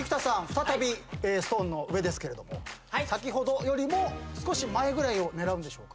再びストーンの上ですけれども先ほどよりも少し前ぐらいを狙うんでしょうか？